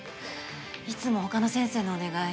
いつも他の先生のお願い